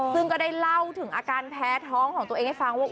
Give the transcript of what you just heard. ซึ่งก็ได้เล่าถึงอาการแพ้ท้องของตัวเองให้ฟังว่า